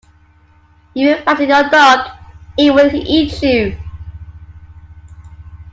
If you fatten your dog, it will eat you.